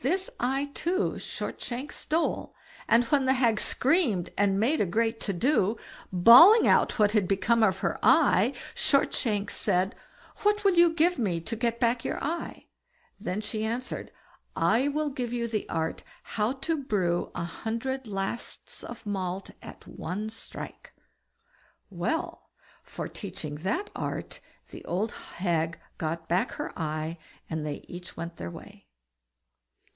This eye, too, Shortshanks stole; and when the hag screamed and made a great to do, bawling out what had become of her eye, Shortshanks said: "What will you give me to get back your eye?" Then she answered: "I'll give you the art how to brew a hundred lasts of malt at one strike." Well! for teaching that art the old hag got back her eye, and they each went their way.